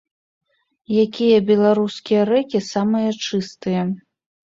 Якія беларускія рэкі самыя чыстыя?